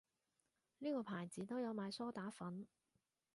呢個牌子都有賣梳打粉